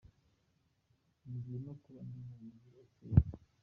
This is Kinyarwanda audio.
Nyuzwe no kuba ndi mu mujyi ucyeye.